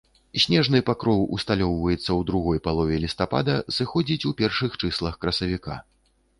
Снежны пакроў усталёўваецца ў другой палове лістапада, сыходзіць у першых чыслах красавіка.